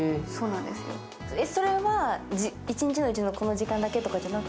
それは一日のうちのこの時間だけじゃなく？